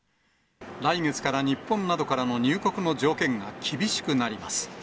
来月から、日本などからの入国の条件が厳しくなります。